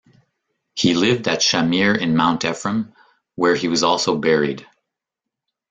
He lived at Shamir in Mount Ephraim, where he was also buried.